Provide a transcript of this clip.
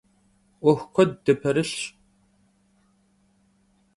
'uexu kued dıperılhş.